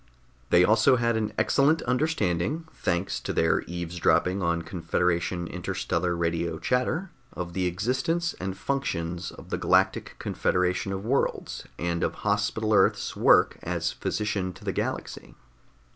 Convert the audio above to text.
They also had an excellent understanding, thanks to their eavesdropping on Confederation interstellar radio chatter, of the existence and functions of the Galactic Confederation of worlds, and of Hospital Earth's work as physician to the galaxy.